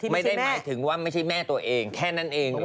ไม่ได้หมายถึงว่าไม่ใช่แม่ตัวเองแค่นั้นเอง